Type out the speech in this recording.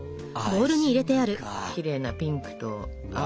きれいなピンクと青。